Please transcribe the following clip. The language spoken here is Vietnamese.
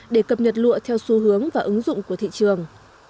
để cập nhật lụa theo xu hướng và ứng dụng của thị trường